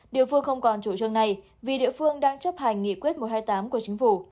địa phương không còn chủ trương này vì địa phương đang chấp hành nghị quyết một trăm hai mươi tám của chính phủ